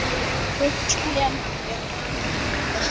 N'okwuchukwu ya na mmemme ahụ